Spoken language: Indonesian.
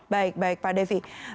baik baik pak devi